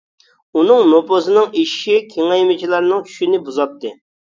ئۇنىڭ نوپۇزىنىڭ ئېشىشى كېڭەيمىچىلەرنىڭ چۈشىنى بۇزاتتى.